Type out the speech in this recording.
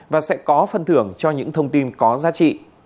và sẽ có phân thưởng cho những thông tin có giá trị